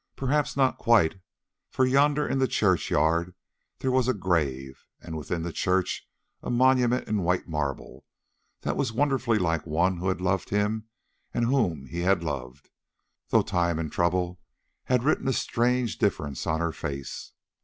Perhaps not quite, for yonder in the churchyard there was a grave, and within the church a monument in white marble, that was wonderfully like one who had loved him and whom he had loved, though time and trouble had written a strange difference on her face.